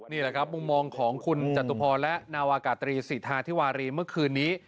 นี่แหละครับมุมมองของคุณจตุพรและนาวากาตรีสิทธาธิวารีเมื่อคืนนี้